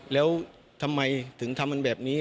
แล้วทำไมถึงทำมันแบบนี้